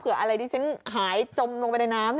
อะไรที่ฉันหายจมลงไปในน้ำ